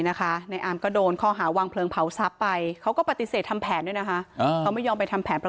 แม่ก็สงสารคนอื่นเนาะที่เขาโดนรอบบ้านอะเนาะ